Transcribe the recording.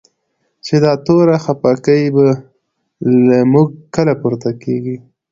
چی دا توره خپکی به؛ له موږ کله پورته کیږی